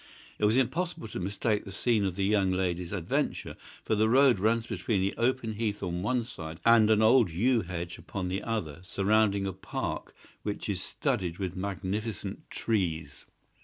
It was impossible to mistake the scene of the young lady's adventure, for the road runs between the open heath on one side and an old yew hedge upon the other, surrounding a park which is studded with magnificent trees.